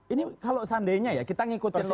ini kalau seandainya ya kita mengikuti logiknya